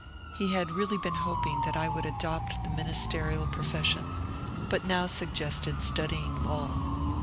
He had really been hoping that I would adopt the ministerial profession, but now suggested studying law.